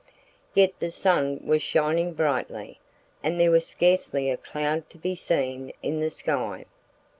Yet the sun was shining brightly. And there was scarcely a cloud to be seen in the sky.